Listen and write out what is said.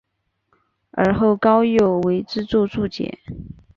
而后高诱为之作注解。